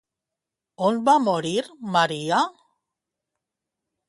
On va morir Maria?